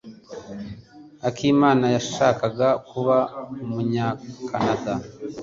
Akimana yashakaga kuba umunyakanada.